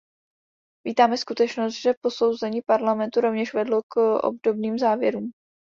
Vítáme skutečnost, že posouzení Parlamentu rovněž vedlo k obdobným závěrům.